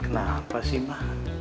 kenapa sih ma